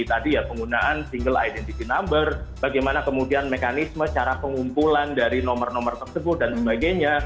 tadi ya penggunaan single identity number bagaimana kemudian mekanisme cara pengumpulan dari nomor nomor tersebut dan sebagainya